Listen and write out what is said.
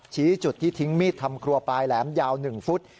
ชี้จุดที่ทิ้งมีดทำครัวปลายแหลมยาว๑ฟุต